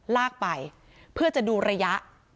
ลากไปเพื่อจะดูระยะ